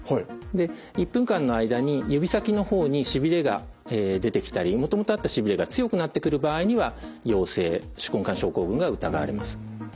で１分間の間に指先の方にしびれが出てきたりもともとあったしびれが強くなってくる場合には陽性手根管症候群が疑われます。